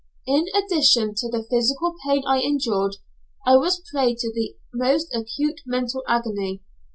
In addition to the physical pain I endured, I was a prey to the most acute mental agony.